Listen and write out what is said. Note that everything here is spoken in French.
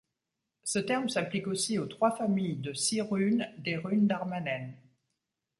Ce terme s’applique aussi aux trois familles de six runes des runes d'Armanen.